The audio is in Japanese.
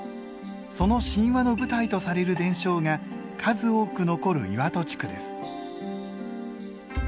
その神話の舞台とされる伝承が数多く残る岩戸地区です。